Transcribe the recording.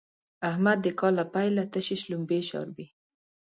احمد د کال له پيله تشې شلومبې شاربي.